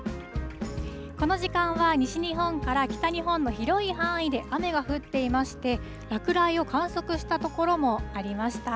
この時間は西日本から北日本の広い範囲で雨が降っていまして、落雷を観測した所もありました。